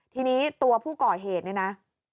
ทีนี้ตัวผู้ก่อเหตุเนี่ยนะ